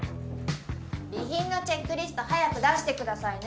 備品のチェックリスト早く出してくださいね。